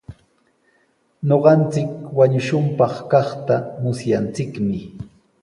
Ñuqanchik wañushunpaq kaqta musyanchikmi.